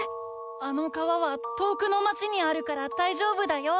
あの川は遠くの町にあるからだいじょうぶだよ。